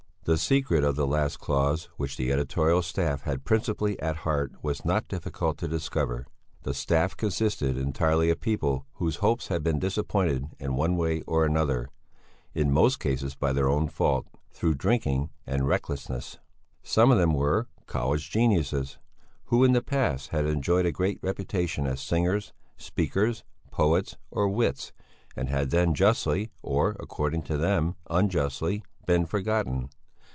The secret of the last clause which the editorial staff had principally at heart was not difficult to discover. The staff consisted entirely of people whose hopes had been disappointed in one way or another; in most cases by their own fault through drinking and recklessness. Some of them were "college geniuses," who in the past had enjoyed a great reputation as singers, speakers, poets or wits, and had then justly or according to them unjustly been forgotten.